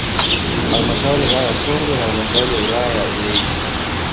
Halmashauri ya wilaya ya Songwe na halmashauri ya wilaya ya Ileje